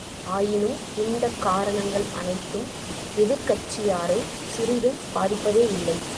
ஆயினும் இந்தக் காரணங்கள் அனைத்தும் எதிர்க் கட்சியாரைச் சிறிதும் பாதிப்பதே யில்லை.